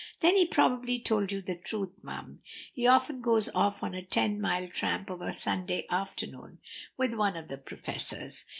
"Then he probably told you the truth, mum. He often goes off on a ten mile tramp of a Sunday afternoon with one of the professors.